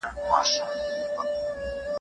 کله چې ما کوچۍ ولیده نو هغې دروند پېټی لېږداوه.